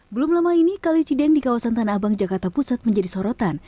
belum lama ini kali cideng di kawasan tanah abang jakarta pusat menjadi sorotan